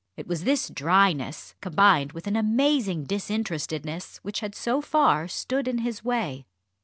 It was this dryness, combined with an amazing disinterestedness, which had so far stood in his way.